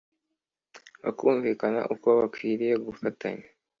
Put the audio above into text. bakumvikana uko bakwiriye gufatanya